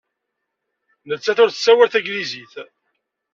Nettat ur tessawal tanglizit.